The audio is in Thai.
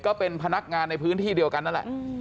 ก็เป็นพนักงานในพื้นที่เดียวกันนั่นแหละ